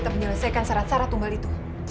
jangan sampai ada yang mencuri mayat